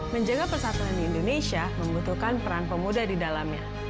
menjaga persatuan di indonesia membutuhkan peran pemuda di dalamnya